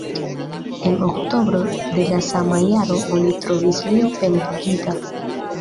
En oktobro de la sama jaro oni trovis lin pendigita.